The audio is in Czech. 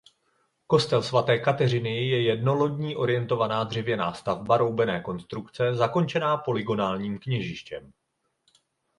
Kostel svaté Kateřiny je jednolodní orientovaná dřevěná stavba roubené konstrukce zakončená polygonálním kněžištěm.